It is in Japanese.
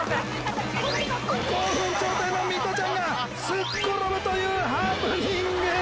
興奮状態のミトちゃんがすっ転ぶというハプニング。